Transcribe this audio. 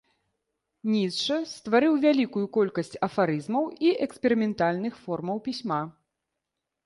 Ніцшэ стварыў вялікую колькасць афарызмаў і эксперыментальных формаў пісьма.